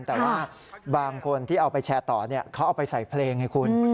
แต่ว่าบางคนที่เอาไปแชร์ต่อเขาเอาไปใส่เพลงไงคุณ